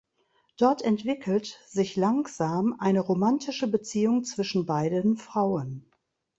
Dort entwickelt sich langsam eine romantische Beziehung zwischen beiden Frauen.